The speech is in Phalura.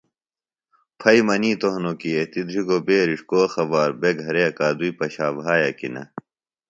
پھئیۡ منِیتوۡ ہنوۡ کیۡ ایتیۡ دھرِگوۡ بیرِݜ کو خبار بےۡ گھرے اکادُئی پشائیۡ بھایہ کیۡ نہ تہ